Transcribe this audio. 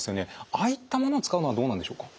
ああいったものを使うのはどうなんでしょうか？